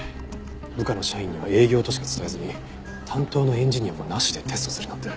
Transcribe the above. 部下の社員には営業としか伝えずに担当のエンジニアもなしでテストするなんて。